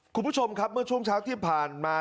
คุณผู้ชมครับเมื่อช่วงเช้าที่ผ่านมา